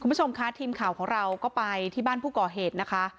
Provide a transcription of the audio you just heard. คุณผู้ชมค่ะทีมข่าวของเราก็ไปที่บ้านผู้ก่อเหตุนะคะ